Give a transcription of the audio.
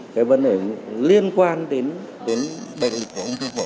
cái vấn đề liên quan đến bệnh của ông thuốc phổi